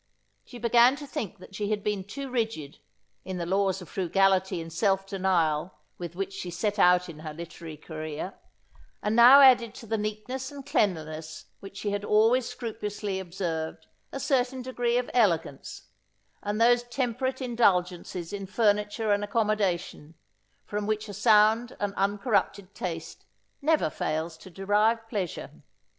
She began to think that she had been too rigid, in the laws of frugality and self denial with which she set out in her literary career; and now added to the neatness and cleanliness which she had always scrupulously observed a certain degree of elegance, and those temperate indulgences in furniture and accommodation, from which a sound and uncorrupted taste never fails to derive pleasure.